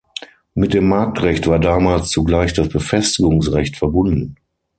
Mit dem Marktrecht war damals zugleich das Befestigungsrecht verbunden.